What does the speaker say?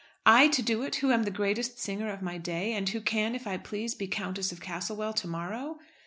I to do it, who am the greatest singer of my day, and who can, if I please, be Countess of Castlewell to morrow!